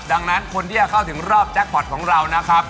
ดังนั้นคนที่จะเข้าถึงรอบแจ็คพอร์ตของเรานะครับ